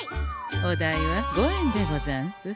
お代は５円でござんす。